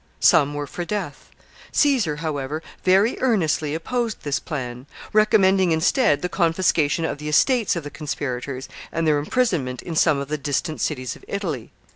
Some were for death. Caesar, however, very earnestly opposed this plan, recommending, instead, the confiscation of the estates of the conspirators, and their imprisonment in some of the distant cities of Italy.